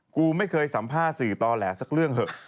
กูไม่เคยสัมภาษณ์สื่อต่อแหลสักเรื่องเถอะ